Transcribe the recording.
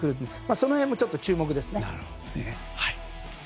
その辺も注目ですね。